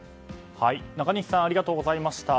中西さんありがとうございました。